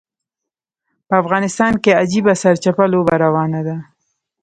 په افغانستان کې عجیبه سرچپه لوبه روانه ده.